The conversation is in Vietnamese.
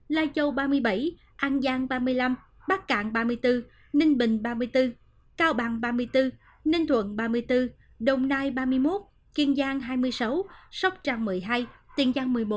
lai châu ba mươi bảy an giang ba mươi năm bắc cạn ba mươi bốn ninh bình ba mươi bốn cao bằng ba mươi bốn ninh thuận ba mươi bốn đồng nai ba mươi một kiên giang hai mươi sáu sóc trang một mươi hai